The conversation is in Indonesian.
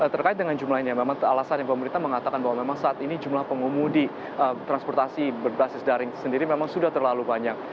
terkait dengan jumlah ini memang alasan yang pemerintah mengatakan bahwa memang saat ini jumlah pengemudi transportasi berbasis daring sendiri memang sudah terlalu banyak